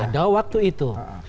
pada waktu itu